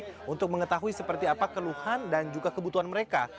untuk mengetahui seperti apa keluhan dan juga kebutuhan mereka